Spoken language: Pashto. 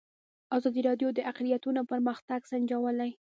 ازادي راډیو د اقلیتونه پرمختګ سنجولی.